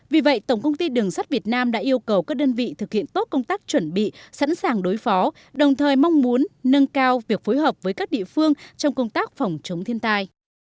vì vậy tổng công ty đường sắt việt nam đã yêu cầu các đơn vị thực hiện tốt công tác chuẩn bị sẵn sàng đối phó đồng thời mong muốn nâng cao việc phối hợp với các địa phương trong công tác phòng chống thiên tai